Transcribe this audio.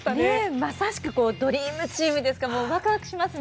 まさしくドリームチームですからワクワクしますね。